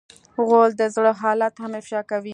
غول د زړه حالت هم افشا کوي.